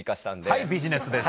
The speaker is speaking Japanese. はいビジネスです。